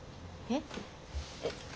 えっ？